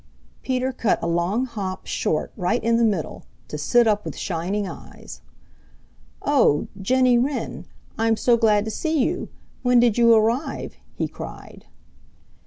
Peter cut a long hop short right in the middle, to sit up with shining eyes. "Oh, Jenny Wren, I'm so glad to see you! When did you arrive?" he cried.